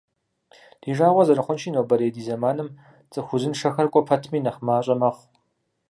Ди жагъуэ зэрыхъунщи, нобэрей ди зэманым цӀыху узыншэхэр кӀуэ пэтми нэхъ мащӀэ мэхъу.